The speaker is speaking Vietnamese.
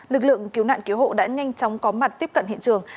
lực lượng cứu nạn cứu hộ đã nhanh chóng có mặt tiếp cận hiện trường